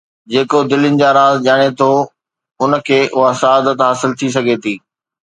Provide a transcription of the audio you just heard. جيڪو دلين جا راز ڄاڻي ٿو، ان کي اها سعادت حاصل ٿي سگهي ٿي.